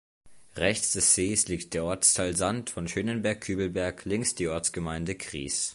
Rechts des Sees liegt der Ortsteil "Sand" von Schönenberg-Kübelberg, links die Ortsgemeinde Gries.